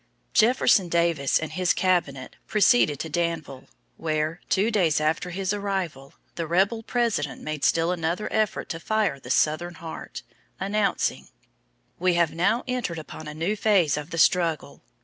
Jefferson Davis and his cabinet proceeded to Danville, where, two days after his arrival, the rebel President made still another effort to fire the Southern heart, announcing, "We have now entered upon a new phase of the struggle.